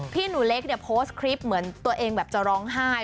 พี่หนูเล็กเนี่ยโพสต์คลิปเหมือนตัวเองแบบจะร้องไห้